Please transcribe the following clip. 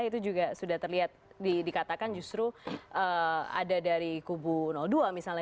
itu juga sudah terlihat dikatakan justru ada dari kubu dua misalnya